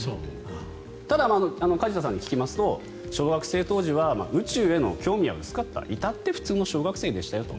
ただ梶田さんに聞きますと小学生当時は宇宙への興味は薄かったいたって普通の小学生でしたよと。